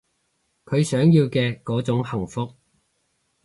佢想要嘅嗰種幸福